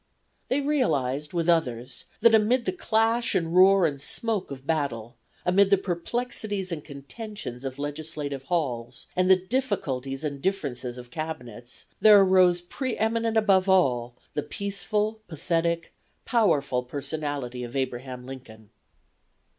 They realized with others that amid the clash and roar and smoke of battle; amid the perplexities and contentions of legislative halls, and the difficulties and differences of Cabinets, there arose pre eminent above all the peaceful, pathetic, powerful personality of Abraham Lincoln.